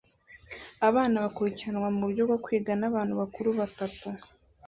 Abana bakurikiranwa muburyo bwo kwiga nabantu bakuru batatu